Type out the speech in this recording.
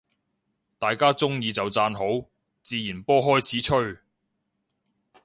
大家鍾意就讚好，自然波開始吹